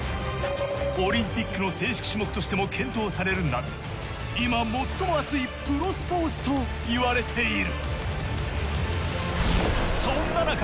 オリンピックの正式種目としても検討されるなど今最も熱いプロスポーツと言われている。